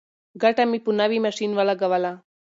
ګټه مې په نوي ماشین ولګوله.